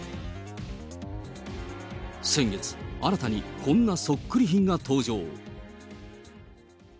先月、新たにこんなそっくり品が登場。